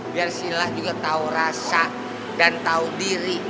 biar sila juga tau rasa dan tau diri